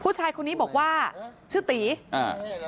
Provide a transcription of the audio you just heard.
ผู้ชายคนนี้บอกว่าชื่อตีอ่า